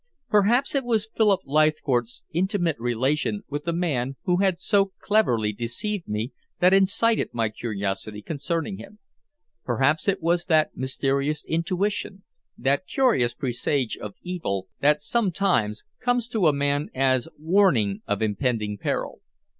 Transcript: Perhaps it was Philip Leithcourt's intimate relation with the man who had so cleverly deceived me that incited my curiosity concerning him; perhaps it was that mysterious intuition, that curious presage of evil that sometimes comes to a man as warning of impending peril.